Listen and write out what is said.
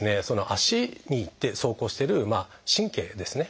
足に行って走行してる神経ですね